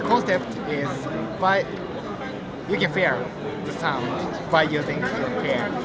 anda bisa merasakan suara dengan menggunakan sensor getar